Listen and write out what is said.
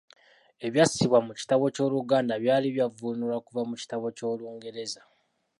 Ebyassibwa mu kitabo ky'Oluganda byali byavvuunulwa kuva mu kitabo ky'Olungereza.